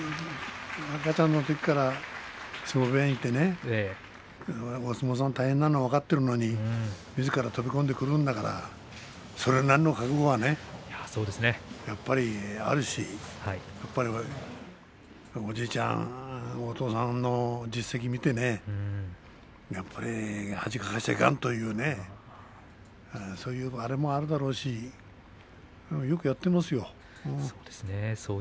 赤ちゃんのときからお相撲さん大変なのは分かっているのにみずから飛び込んでくるんだからそれなりの覚悟はやっぱりあるしおじいちゃん、お父さんの実績見てやっぱり恥かかせてはいけないとそういうあれもあるだろうしよくやっていますよ。